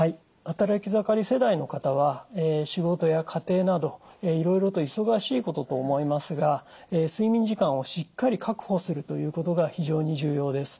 働き盛り世代の方は仕事や家庭などいろいろと忙しいことと思いますが睡眠時間をしっかり確保するということが非常に重要です。